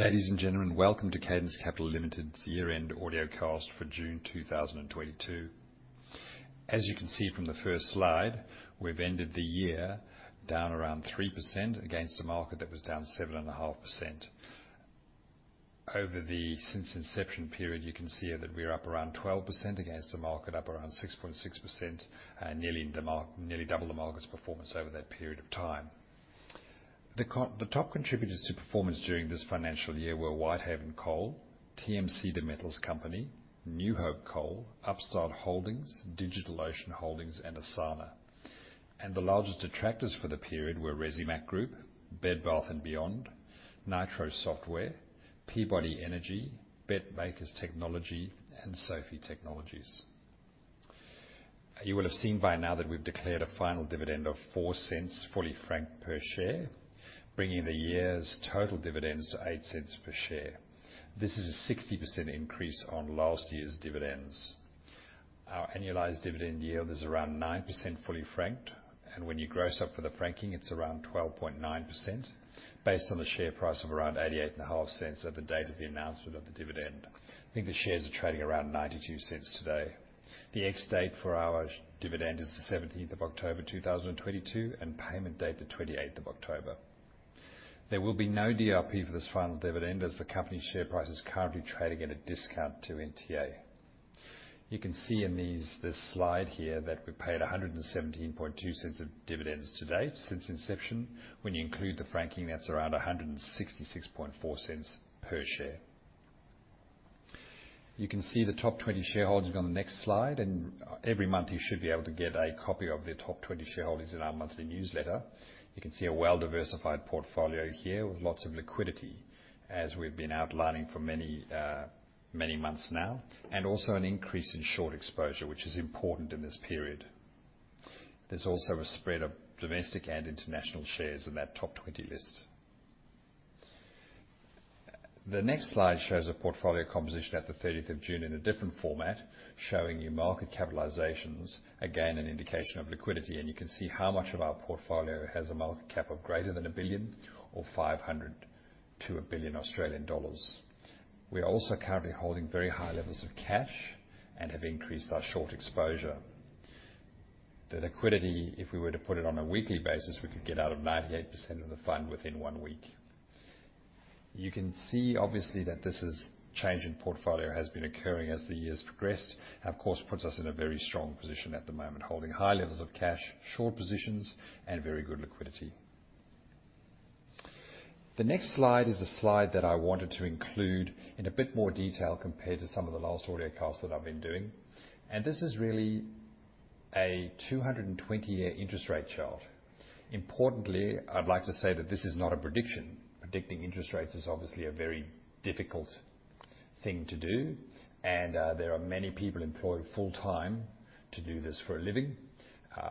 Ladies and gentlemen, welcome to Cadence Capital Limited's year-end audiocast for June 2022. As you can see from the first slide, we've ended the year down around 3% against the market that was down 7.5%. Over the since inception period, you can see that we're up around 12% against the market, up around 6.6%, nearly double the market's performance over that period of time. The top contributors to performance during this financial year were Whitehaven Coal, TMC the metals company, New Hope Corporation, Upstart Holdings, DigitalOcean Holdings, and Asana. The largest detractors for the period were Resimac Group, Bed Bath & Beyond, Nitro Software, Peabody Energy, BetMakers Technology, and SoFi Technologies. You will have seen by now that we've declared a final dividend of 0.04 fully franked per share, bringing the year's total dividends to 0.08 per share. This is a 60% increase on last year's dividends. Our annualized dividend yield is around 9% fully franked, and when you gross up for the franking, it's around 12.9% based on the share price of around 0.885 at the date of the announcement of the dividend. I think the shares are trading around 0.92 today. The ex-date for our dividend is the seventeenth of October 2022, and payment date the twenty-eighth of October. There will be no DRP for this final dividend, as the company's share price is currently trading at a discount to NTA. You can see in these, this slide here that we paid 1.172 of dividends today since inception. When you include the franking, that's around 1.664 per share. You can see the top 20 shareholders on the next slide, and every month you should be able to get a copy of the top 20 shareholders in our monthly newsletter. You can see a well-diversified portfolio here with lots of liquidity, as we've been outlining for many months now, and also an increase in short exposure, which is important in this period. There's also a spread of domestic and international shares in that top 20 list. The next slide shows a portfolio composition at the thirtieth of June in a different format, showing you market capitalizations, again, an indication of liquidity, and you can see how much of our portfolio has a market cap of greater than 1 billion or 500 million-1 billion Australian dollars. We are also currently holding very high levels of cash and have increased our short exposure. The liquidity, if we were to put it on a weekly basis, we could get out of 98% of the fund within one week. You can see obviously that this change in portfolio has been occurring as the years progress, and of course puts us in a very strong position at the moment, holding high levels of cash, short positions and very good liquidity. The next slide is a slide that I wanted to include in a bit more detail compared to some of the last audiocasts that I've been doing, and this is really a 220-year interest rate chart. Importantly, I'd like to say that this is not a prediction. Predicting interest rates is obviously a very difficult thing to do and there are many people employed full-time to do this for a living.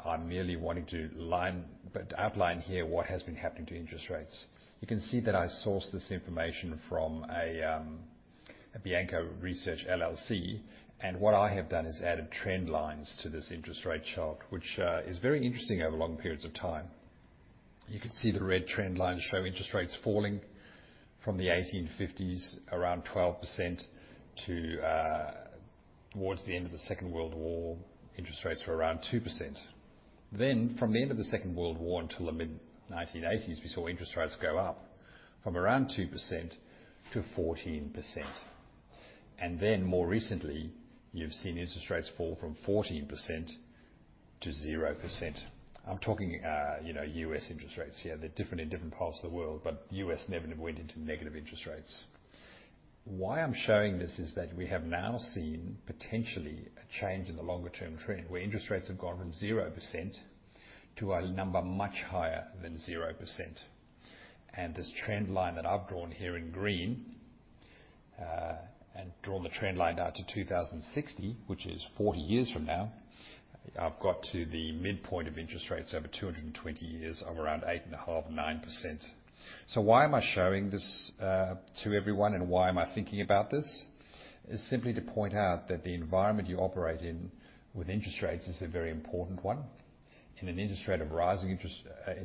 I'm merely wanting to outline here what has been happening to interest rates. You can see that I sourced this information from a Bianco Research, L.L.C., and what I have done is added trend lines to this interest rate chart, which is very interesting over long periods of time. You can see the red trend lines show interest rates falling from the 1850s around 12% to towards the end of the Second World War. Interest rates were around 2%. From the end of the Second World War until the mid-1980s, we saw interest rates go up from around 2% - 14%. More recently, you've seen interest rates fall from 14% - 0%. I'm talking, you know, U.S. interest rates here. They're different in different parts of the world, but U.S. never went into negative interest rates. Why I'm showing this is that we have now seen potentially a change in the longer term trend, where interest rates have gone from 0% to a number much higher than 0%. This trend line that I've drawn here in green, and drawn the trend line out to 2060, which is 40 years from now, I've got to the midpoint of interest rates over 220 years of around 8.5%-9%. Why am I showing this to everyone, and why am I thinking about this? It is simply to point out that the environment you operate in with interest rates is a very important one. In an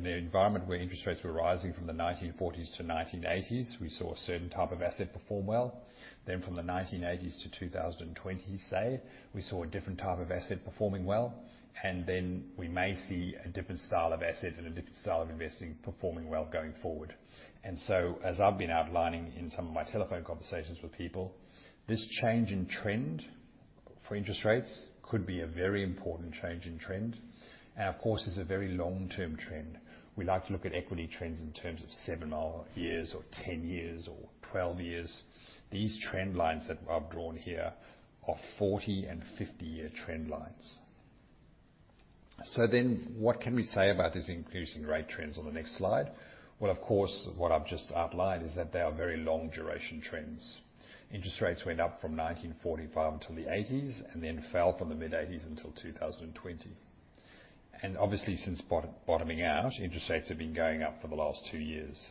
environment where interest rates were rising from the 1940s to 1980s, we saw a certain type of asset perform well. From the 1980s - 2020, say, we saw a different type of asset performing well, and then we may see a different style of asset and a different style of investing performing well going forward. As I've been outlining in some of my telephone conversations with people, this change in trend for interest rates could be a very important change in trend. Of course, it's a very long-term trend. We like to look at equity trends in terms of seven years or ten years or twelve years. These trend lines that I've drawn here are 40 years- and 50-year trend lines. What can we say about these increasing rate trends on the next slide? Well, of course, what I've just outlined is that they are very long duration trends. Interest rates went up from 1945 until the 1980s and then fell from the mid-1980s until 2020. Obviously since bottoming out, interest rates have been going up for the last two years.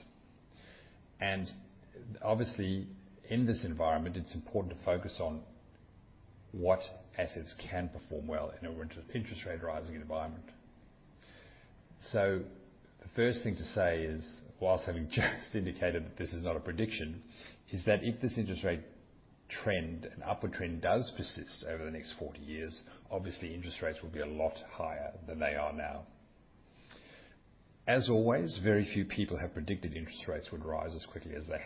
Obviously in this environment, it's important to focus on what assets can perform well in an interest rate rising environment. The first thing to say is, whilst having just indicated that this is not a prediction, is that if this interest rate trend and upward trend does persist over the next 40 years, obviously interest rates will be a lot higher than they are now. As always, very few people have predicted interest rates would rise as quickly as they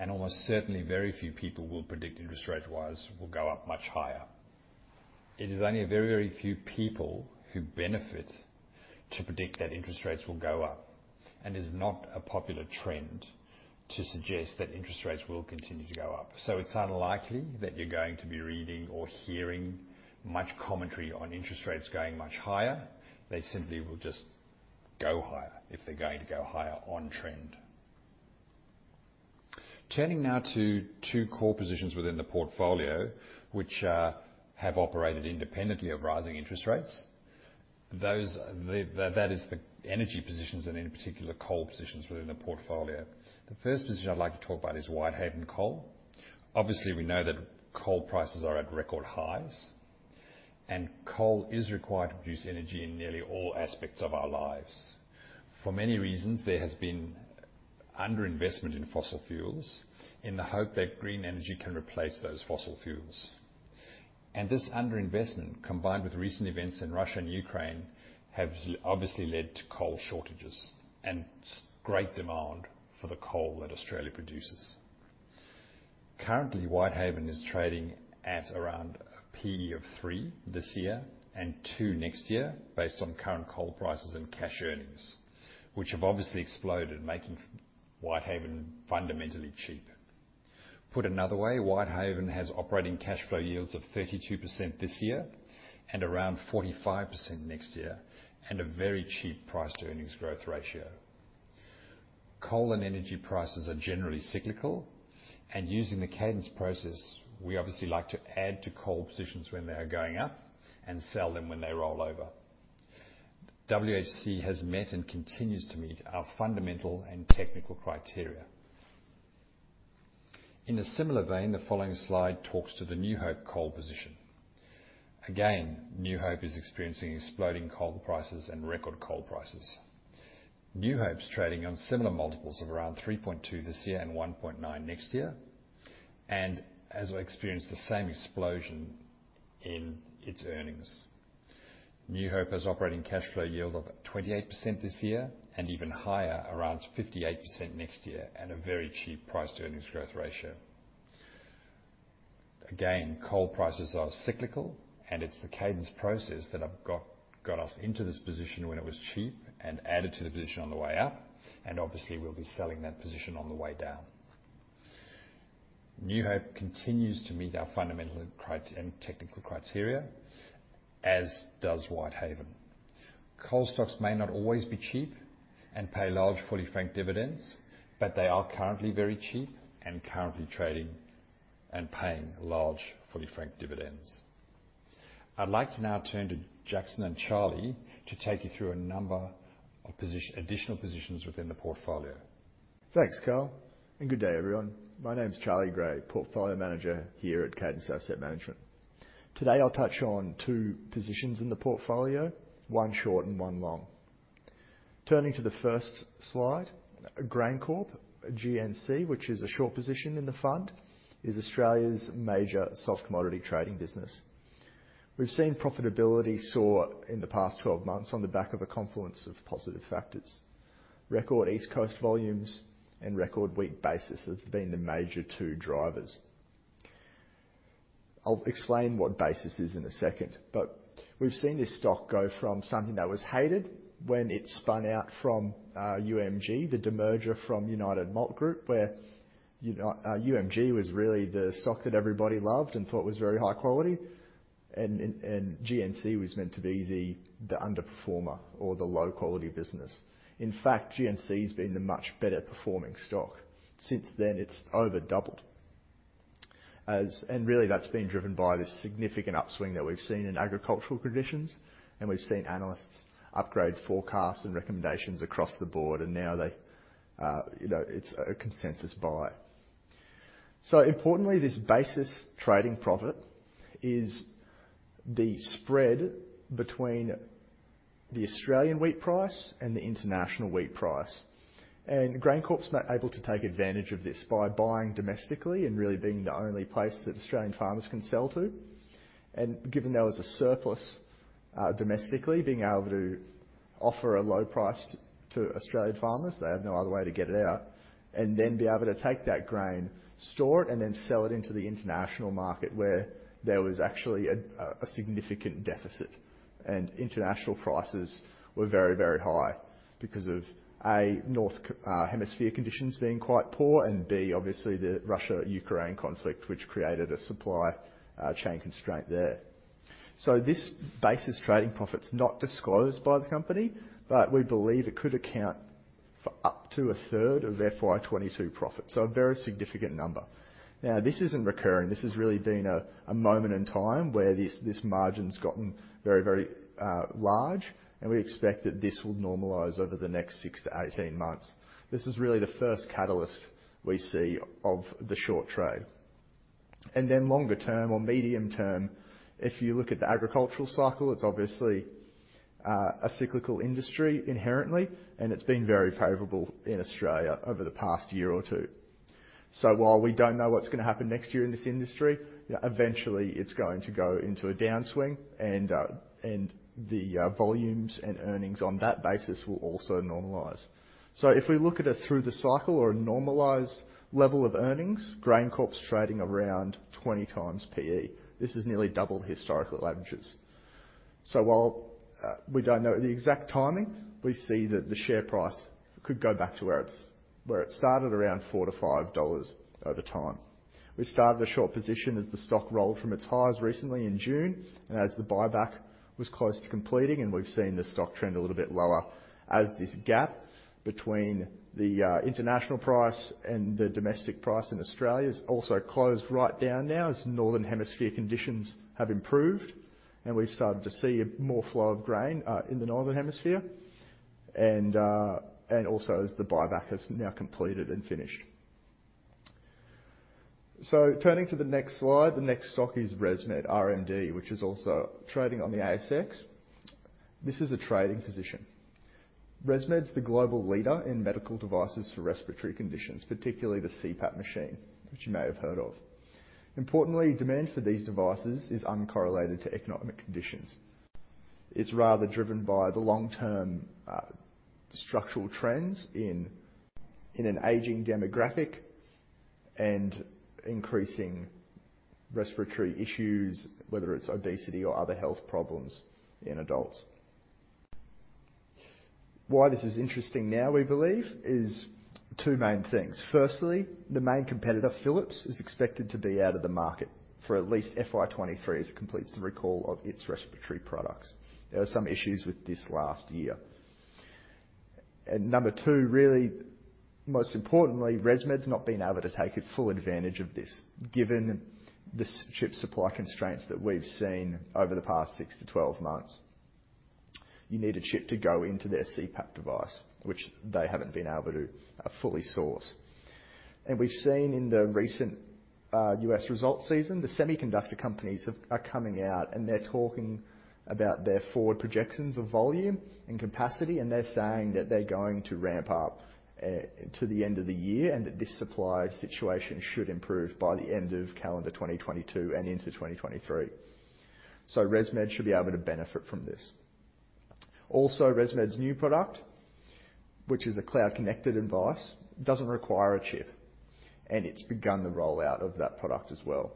have, and almost certainly very few people will predict interest rate rises will go up much higher. It is only a very, very few people who benefit from predicting that interest rates will go up, and it is not a popular trend to suggest that interest rates will continue to go up. It's unlikely that you're going to be reading or hearing much commentary on interest rates going much higher. They simply will just go higher if they're going to go higher on trend. Turning now to two core positions within the portfolio which have operated independently of rising interest rates. That is the energy positions and in particular coal positions within the portfolio. The first position I'd like to talk about is Whitehaven Coal. Obviously, we know that coal prices are at record highs, and coal is required to produce energy in nearly all aspects of our lives. For many reasons, there has been underinvestment in fossil fuels in the hope that green energy can replace those fossil fuels. This underinvestment, combined with recent events in Russia and Ukraine, have obviously led to coal shortages and great demand for the coal that Australia produces. Currently, Whitehaven is trading at around a PE of three this year and two next year based on current coal prices and cash earnings, which have obviously exploded, making Whitehaven fundamentally cheap. Put another way, Whitehaven has operating cash flow yields of 32% this year and around 45% next year, and a very cheap price-to-earnings growth ratio. Coal and energy prices are generally cyclical, and using the Cadence process, we obviously like to add to coal positions when they are going up and sell them when they roll over. WHC has met and continues to meet our fundamental and technical criteria. In a similar vein, the following slide talks to the New Hope coal position. Again, New Hope is experiencing exploding coal prices and record coal prices. New Hope's trading on similar multiples of around 3.2 this year and 1.9 next year, and as we experience the same explosion in its earnings. New Hope has operating cash flow yield of 28% this year and even higher, around 58% next year, at a very cheap price-to-earnings growth ratio. Again, coal prices are cyclical, and it's the Cadence process that have got us into this position when it was cheap and added to the position on the way up, and obviously we'll be selling that position on the way down. New Hope continues to meet our fundamental and technical criteria, as does Whitehaven. Coal stocks may not always be cheap and pay large fully franked dividends, but they are currently very cheap and currently trading and paying large fully franked dividends. I'd like to now turn to Jackson and Charlie to take you through a number of additional positions within the portfolio. Thanks, Karl, and good day, everyone. My name's Charlie Gray, Portfolio Manager here at Cadence Asset Management. Today I'll touch on two positions in the portfolio, one short and one long. Turning to the first slide, GrainCorp, GNC, which is a short position in the fund, is Australia's major soft commodity trading business. We've seen profitability soar in the past 12 months on the back of a confluence of positive factors. Record East Coast volumes and record wheat basis have been the major two drivers. I'll explain what basis is in a second, but we've seen this stock go from something that was hated when it spun out from UMG, the demerger from United Malt Group, where you know UMG was really the stock that everybody loved and thought was very high quality. GNC was meant to be the underperformer or the low-quality business. In fact, GrainCorp has been the much better performing stock. Since then, it's over doubled. Really that's been driven by the significant upswing that we've seen in agricultural conditions, and we've seen analysts upgrade forecasts and recommendations across the board. Now they, you know, it's a consensus buy. Importantly, this basis trading profit is the spread between the Australian wheat price and the international wheat price. GrainCorp's been able to take advantage of this by buying domestically and really being the only place that Australian farmers can sell to. Given there was a surplus domestically, being able to offer a low price to Australian farmers, they have no other way to get it out. Then be able to take that grain, store it, and then sell it into the international market where there was actually a significant deficit. International prices were very, very high because of, A, Northern hemisphere conditions being quite poor, and B, obviously the Russia-Ukraine conflict, which created a supply chain constraint there. This basis trading profit's not disclosed by the company, but we believe it could account for up to a third of FY2022 profits, so a very significant number. This isn't recurring. This has really been a moment in time where this margin's gotten very, very large, and we expect that this will normalize over the next six months-18 months. This is really the first catalyst we see of the short trade. Longer term or medium term, if you look at the agricultural cycle, it's obviously a cyclical industry inherently, and it's been very favorable in Australia over the past year or two. While we don't know what's gonna happen next year in this industry, eventually it's going to go into a downswing and the volumes and earnings on that basis will also normalize. If we look at it through the cycle or a normalized level of earnings, GrainCorp's trading around 20x PE. This is nearly double historical averages. While we don't know the exact timing, we see that the share price could go back to where it started, around 4-5 dollars over time. We started a short position as the stock rolled from its highs recently in June, and as the buyback was close to completing, and we've seen the stock trend a little bit lower as this gap between the international price and the domestic price in Australia has also closed right down now as Northern Hemisphere conditions have improved and we've started to see more flow of grain in the Northern Hemisphere and also as the buyback has now completed and finished. Turning to the next slide. The next stock is ResMed, RMD, which is also trading on the ASX. This is a trading position. ResMed's the global leader in medical devices for respiratory conditions, particularly the CPAP machine, which you may have heard of. Importantly, demand for these devices is uncorrelated to economic conditions. It's rather driven by the long-term, structural trends in an aging demographic and increasing respiratory issues, whether it's obesity or other health problems in adults. Why this is interesting now, we believe, is two main things. Firstly, the main competitor, Philips, is expected to be out of the market for at least FY2023 as it completes the recall of its respiratory products. There were some issues with this last year. Number two, really most importantly, ResMed's not been able to take full advantage of this, given the chip supply constraints that we've seen over the past six months-12 months. You need a chip to go into their CPAP device, which they haven't been able to fully source. We've seen in the recent U.S. results season, the semiconductor companies have. are coming out, and they're talking about their forward projections of volume and capacity, and they're saying that they're going to ramp up to the end of the year, and that this supply situation should improve by the end of calendar 2022 and into 2023. ResMed should be able to benefit from this. Also, ResMed's new product, which is a cloud-connected device, doesn't require a chip, and it's begun the rollout of that product as well.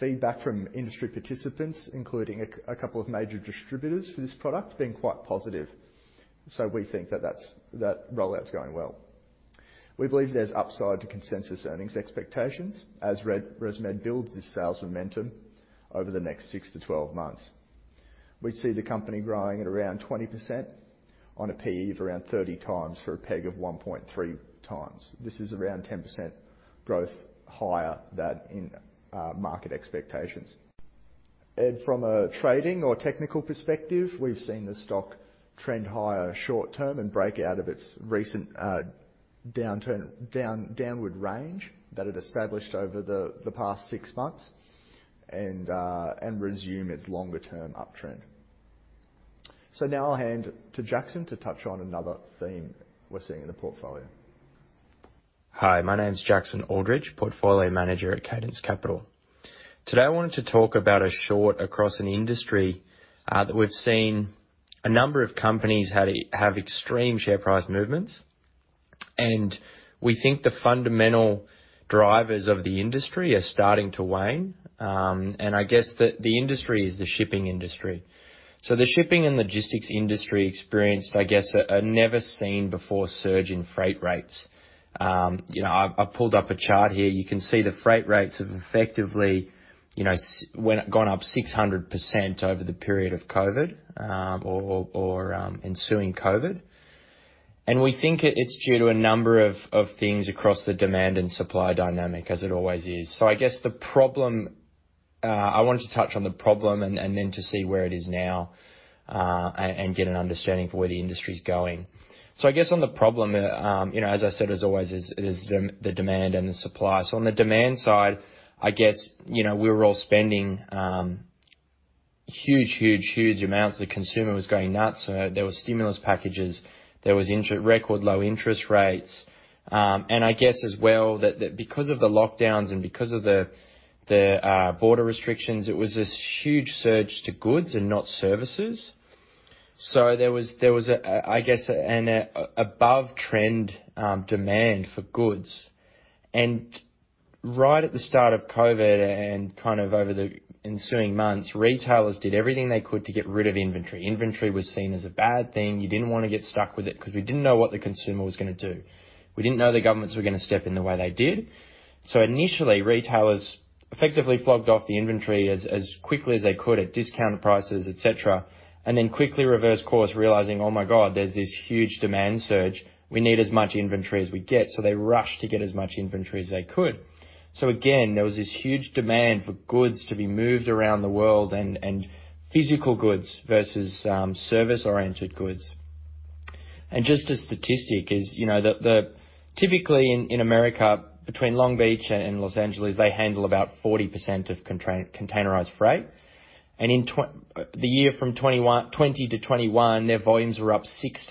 Feedback from industry participants, including a couple of major distributors for this product, has been quite positive, so we think that that rollout's going well. We believe there's upside to consensus earnings expectations as ResMed builds its sales momentum over the next six months - 12 months. We see the company growing at around 20% on a PE of around 30x for a PEG of 1.3x. This is around 10% growth higher than in market expectations. From a trading or technical perspective, we've seen the stock trend higher short-term and break out of its recent downward range that it established over the past 6 months and resume its longer-term uptrend. Now I'll hand to Jackson to touch on another theme we're seeing in the portfolio. Hi, my name's Jackson Aldridge, Portfolio Manager at Cadence Capital. Today, I wanted to talk about a short across an industry that we've seen a number of companies have extreme share price movements, and we think the fundamental drivers of the industry are starting to wane. I guess the industry is the shipping industry. The shipping and logistics industry experienced, I guess, a never seen before surge in freight rates. You know, I've pulled up a chart here. You can see the freight rates have effectively, you know, gone up 600% over the period of COVID or ensuing COVID. We think it's due to a number of things across the demand and supply dynamic, as it always is. I guess the problem I wanted to touch on the problem and then to see where it is now and get an understanding for where the industry's going. I guess on the problem, you know, as I said, as always is, it is the demand and the supply. On the demand side, I guess, you know, we were all spending huge amounts. The consumer was going nuts. There were stimulus packages. There was record low interest rates. And I guess as well that because of the lockdowns and because of the border restrictions, it was this huge surge to goods and not services. There was a, I guess an above trend demand for goods. Right at the start of COVID and kind of over the ensuing months, retailers did everything they could to get rid of inventory. Inventory was seen as a bad thing. You didn't want to get stuck with it because we didn't know what the consumer was gonna do. We didn't know the governments were gonna step in the way they did. Initially, retailers effectively flogged off the inventory as quickly as they could at discounted prices, et cetera, and then quickly reversed course, realizing, oh my God, there's this huge demand surge. We need as much inventory as we get. They rushed to get as much inventory as they could. Again, there was this huge demand for goods to be moved around the world and physical goods versus service-oriented goods. Just a statistic is, you know, the typically in America between Long Beach and Los Angeles, they handle about 40% of containerized freight. In the year from 2020 to 2021, their volumes were up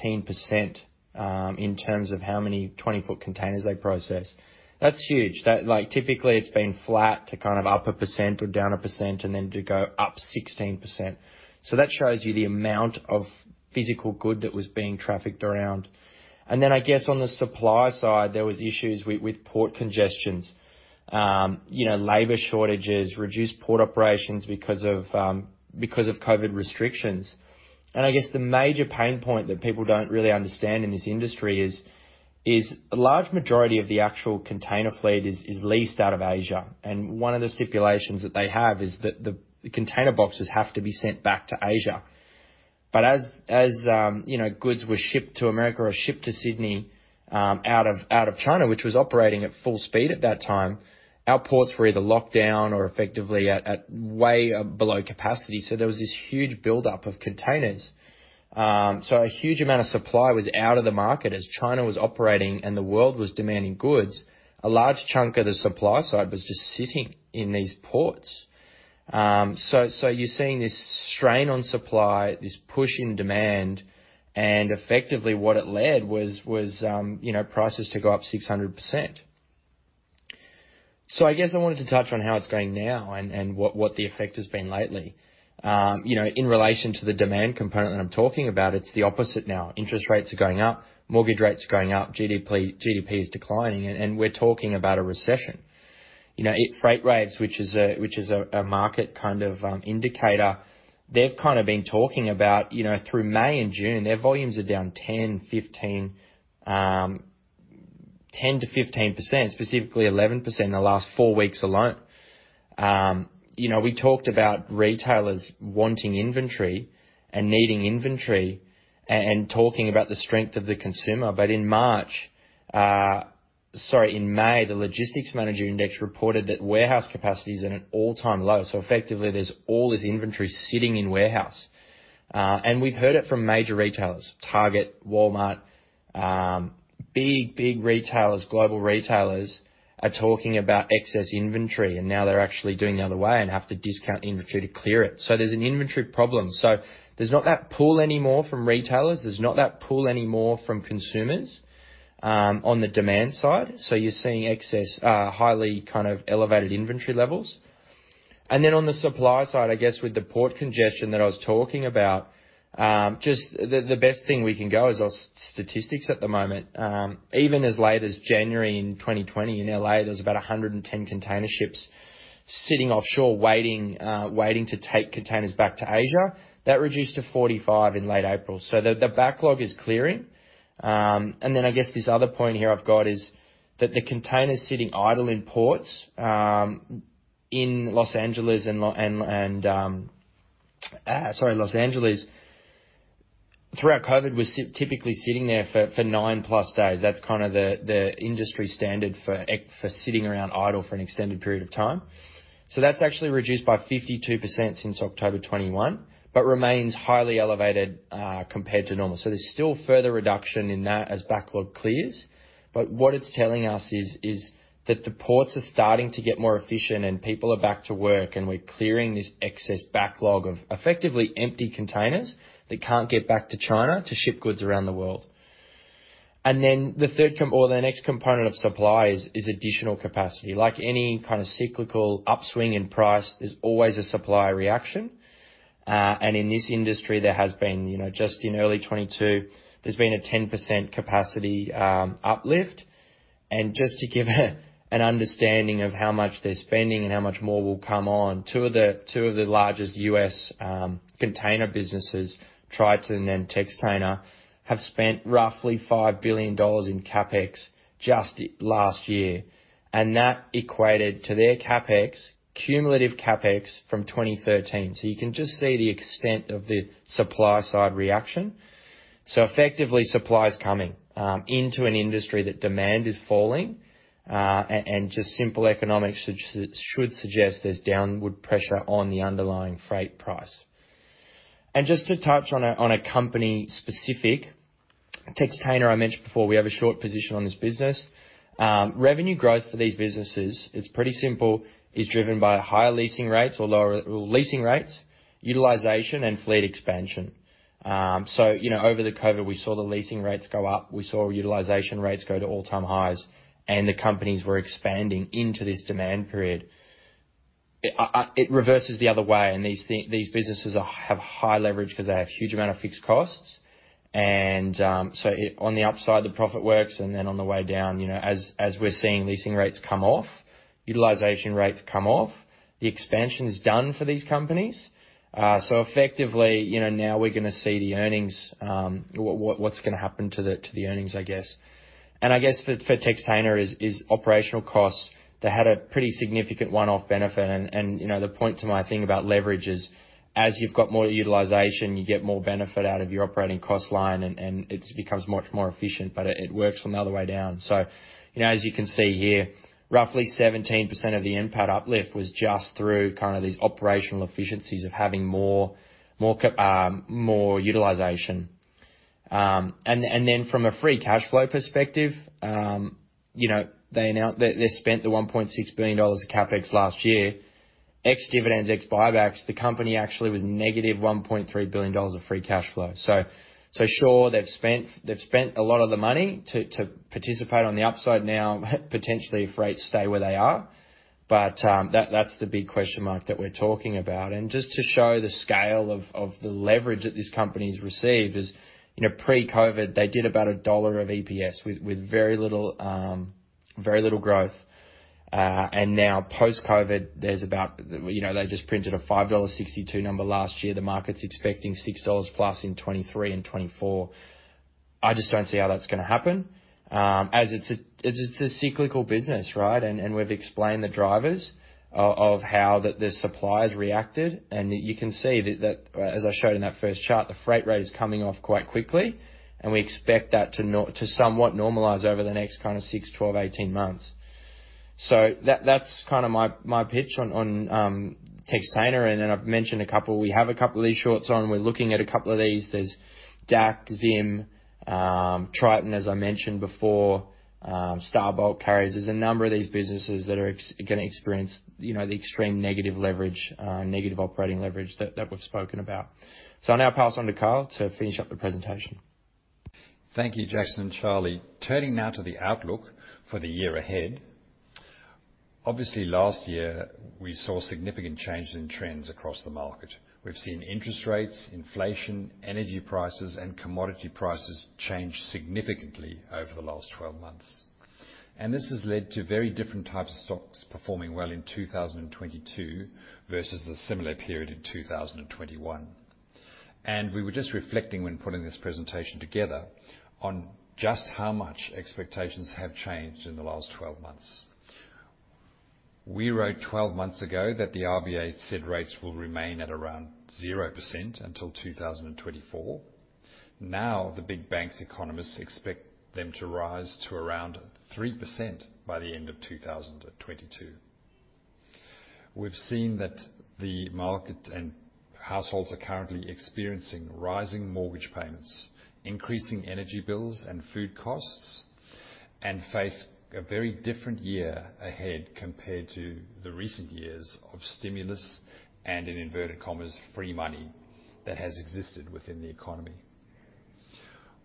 16% in terms of how many 20-foot containers they process. That's huge. That, like, typically it's been flat to kind of up 1% or down 1%, and then to go up 16%. That shows you the amount of physical goods that was being trafficked around. Then I guess on the supply side, there was issues with port congestions. You know, labor shortages, reduced port operations because of COVID restrictions. I guess the major pain point that people don't really understand in this industry is a large majority of the actual container fleet is leased out of Asia. One of the stipulations that they have is that the container boxes have to be sent back to Asia. As you know, goods were shipped to America or shipped to Sydney out of China, which was operating at full speed at that time, our ports were either locked down or effectively at way below capacity. There was this huge buildup of containers. A huge amount of supply was out of the market as China was operating and the world was demanding goods. A large chunk of the supply side was just sitting in these ports. You're seeing this strain on supply, this push in demand, and effectively what it led was, you know, prices to go up 600%. I guess I wanted to touch on how it's going now and what the effect has been lately. You know, in relation to the demand component that I'm talking about, it's the opposite now. Interest rates are going up, mortgage rates are going up, GDP is declining, and we're talking about a recession. You know, freight rates, which is a market kind of indicator, they've kinda been talking about, you know, through May and June, their volumes are down 10%-15%, specifically 11% in the last four weeks alone. You know, we talked about retailers wanting inventory and needing inventory and talking about the strength of the consumer. In May, the Logistics Managers' Index reported that warehouse capacity is at an all-time low. Effectively, there's all this inventory sitting in warehouse. And we've heard it from major retailers, Target, Walmart, big retailers, global retailers are talking about excess inventory, and now they're actually doing the other way and have to discount inventory to clear it. There's an inventory problem. There's not that pull anymore from retailers. There's not that pull anymore from consumers, on the demand side. You're seeing excess, highly kind of elevated inventory levels. On the supply side, I guess with the port congestion that I was talking about, just the best thing we can go is statistics at the moment. Even as late as January in 2020 in L.A., there was about 110 container ships sitting offshore waiting to take containers back to Asia. That reduced to 45 in late April. The backlog is clearing. I guess this other point here I've got is that the containers sitting idle in ports in Los Angeles throughout COVID were typically sitting there for 9+ days. That's kinda the industry standard for sitting around idle for an extended period of time. That's actually reduced by 52% since October 2021, but remains highly elevated compared to normal. There's still further reduction in that as backlog clears. What it's telling us is that the ports are starting to get more efficient and people are back to work, and we're clearing this excess backlog of effectively empty containers that can't get back to China to ship goods around the world. The next component of supply is additional capacity. Like any kinda cyclical upswing in price, there's always a supply reaction. In this industry, there has been, you know, just in early 2022, there's been a 10% capacity uplift. Just to give an understanding of how much they're spending and how much more will come on, two of the largest U.S. Container businesses, Triton and Textainer, have spent roughly $5 billion in CapEx just last year. That equated to their CapEx, cumulative CapEx from 2013. You can just see the extent of the supply side reaction. Effectively, supply is coming into an industry that demand is falling, and just simple economics should suggest there's downward pressure on the underlying freight price. Just to touch on a company specific, Textainer, I mentioned before, we have a short position on this business. Revenue growth for these businesses, it's pretty simple, is driven by higher leasing rates or lower leasing rates, utilization, and fleet expansion. You know, over the COVID, we saw the leasing rates go up. We saw utilization rates go to all-time highs, and the companies were expanding into this demand period. It reverses the other way, and these businesses have high leverage 'cause they have huge amount of fixed costs. On the upside, the profit works, and then on the way down, you know, as we're seeing leasing rates come off, utilization rates come off, the expansion's done for these companies. Effectively, you know, now we're gonna see the earnings, what's gonna happen to the earnings, I guess. I guess for Textainer is operational costs. They had a pretty significant one-off benefit. You know, the point to my thing about leverage is, as you've got more utilization, you get more benefit out of your operating cost line and it becomes much more efficient, but it works from the other way down. You know, as you can see here, roughly 17% of the NPAT uplift was just through kinda these operational efficiencies of having more utilization. And then from a free cash flow perspective, you know, they spent 1.6 billion dollars of CapEx last year. Ex-dividends, ex-buybacks, the company actually was - 1.3 billion dollars of free cash flow. Sure, they've spent a lot of the money to participate on the upside now potentially if rates stay where they are. That's the big question mark that we're talking about. Just to show the scale of the leverage that this company's received is, you know, pre-COVID, they did about $1 of EPS with very little growth. Now post-COVID, there's about, you know, they just printed a $5.62 number last year. The market's expecting $6+ in 2023 and 2024. I just don't see how that's gonna happen, as it's a cyclical business, right? We've explained the drivers of how the suppliers reacted, and you can see that, as I showed in that first chart, the freight rate is coming off quite quickly. We expect that to somewhat normalize over the next kinda six months, 12 months, 18 months. That's kinda my pitch on Textainer. I've mentioned a couple. We have a couple of these shorts on. We're looking at a couple of these. There's DAC, ZIM, Triton, as I mentioned before, Star Bulk Carriers. There's a number of these businesses that are gonna experience, you know, the extreme negative leverage, negative operating leverage that we've spoken about. I'll now pass on to Karl to finish up the presentation. Thank you, Jackson and Charlie. Turning now to the outlook for the year ahead. Obviously, last year we saw significant changes in trends across the market. We've seen interest rates, inflation, energy prices, and commodity prices change significantly over the last 12 months. This has led to very different types of stocks performing well in 2022 versus the similar period in 2021. We were just reflecting when putting this presentation together on just how much expectations have changed in the last 12 months. We wrote 12 months ago that the RBA said rates will remain at around 0% until 2024. Now, the big banks' economists expect them to rise to around 3% by the end of 2022. We've seen that the market and households are currently experiencing rising mortgage payments, increasing energy bills and food costs, and face a very different year ahead compared to the recent years of stimulus and in inverted commas, free money that has existed within the economy.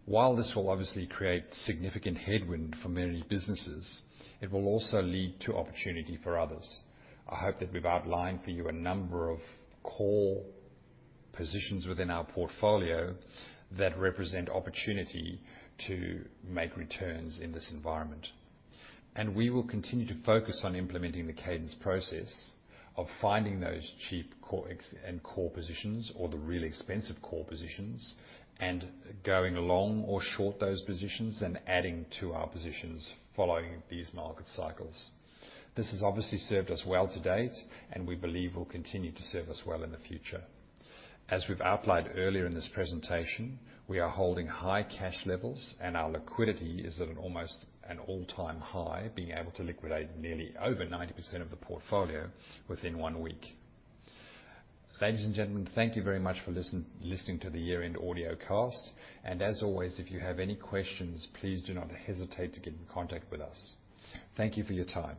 While this will obviously create significant headwind for many businesses, it will also lead to opportunity for others. I hope that we've outlined for you a number of core positions within our portfolio that represent opportunity to make returns in this environment. We will continue to focus on implementing the Cadence process of finding those cheap core and core positions or the really expensive core positions, and going long or short those positions and adding to our positions following these market cycles. This has obviously served us well to date, and we believe will continue to serve us well in the future. As we've outlined earlier in this presentation, we are holding high cash levels, and our liquidity is at an almost, an all-time high, being able to liquidate nearly over 90% of the portfolio within one week. Ladies and gentlemen, thank you very much for listening to the year-end audiocast. As always, if you have any questions, please do not hesitate to get in contact with us. Thank you for your time.